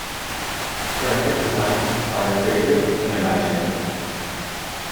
Graphics designers are creative and imaginative.